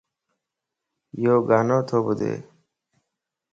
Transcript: يوڳانوتو ٻڌ